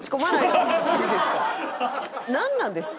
なんなんですか？